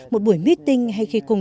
một buổi meeting hay khi cùng